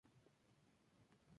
Captura de carbono.